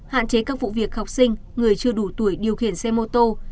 hạn chế các vụ việc học sinh người chưa đủ tuổi điều khiển xe mô tô